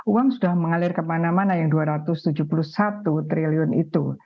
uang sudah mengalir kemana mana yang dua ratus tujuh puluh satu triliun itu